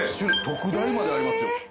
特大までありますよ。